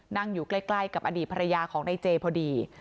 นั่งอยู่ใกล้กับอดีตภรรยาของนายเจพอดี